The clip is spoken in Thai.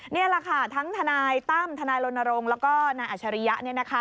นี่แหละค่ะทั้งทนายตั้มทนายรณรงค์แล้วก็นายอัชริยะ